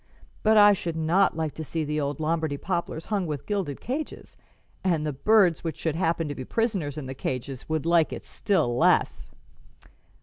But I should not like to see the old Lombardy poplars hung with gilded cages, and the birds which should happen to be prisoners in the cages would like it still less."